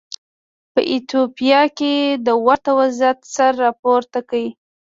په ایتوپیا کې د ورته وضعیت سر راپورته کړ.